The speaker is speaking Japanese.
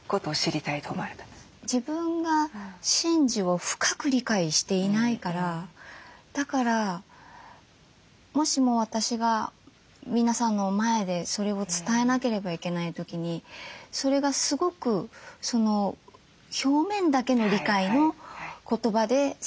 自分が神事を深く理解していないからだからもしも私が皆さんの前でそれを伝えなければいけない時にそれがすごく表面だけの理解の言葉で説明してしまう。